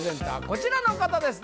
こちらの方です